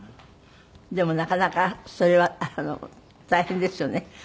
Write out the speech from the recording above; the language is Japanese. でもなかなかそれは大変ですよね。